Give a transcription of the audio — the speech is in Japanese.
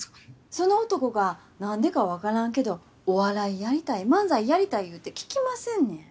その男がなんでかわからんけどお笑いやりたい漫才やりたい言うてききませんねん。